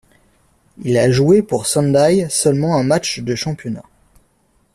Il a joué pour Sendai seulement un match de championnat.